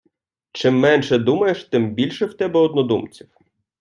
Чим менше думаєш, тим більше в тебе однодумців.